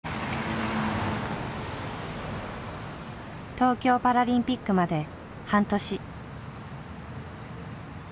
東京パラリンピックまで半年。